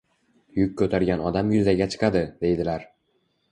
Yuk ko‘targan odam yuzaga chiqadi, deydilar.